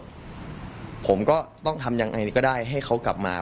และผมก็ต้องทำอย่างไรหนึ่งก็ได้ให้เขากลับมา